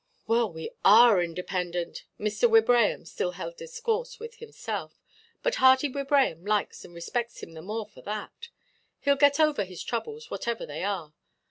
"Well, we are independent," Mr. Wibraham still held discourse with himself; "but Hearty Wibraham likes and respects him the more for that. Heʼll get over his troubles, whatever they are.